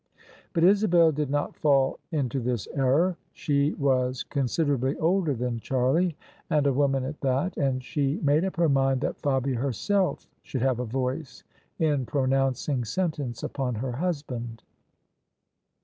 But Isabel did not fall into this error: she was consider ably older than Charlie, and a woman at that : and she made up her mind that Fabia herself should have a voice in pro nouncing sentence upon her husband.